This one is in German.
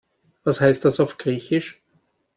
Was heißt das auf Griechisch?